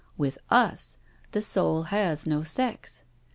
With us, the soul has no sex.